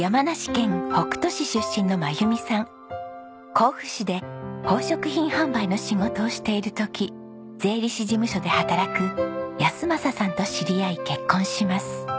甲府市で宝飾品販売の仕事をしている時税理士事務所で働く安正さんと知り合い結婚します。